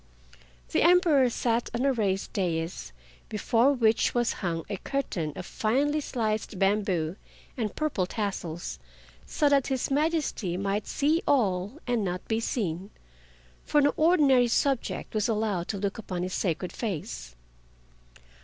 The Emperor sat on a raised dais, before which was hung a curtain of finely sliced bamboo and purple tassels, so that His Majesty might see all and not be seen, for no ordinary subject was allowed to look upon his sacred face.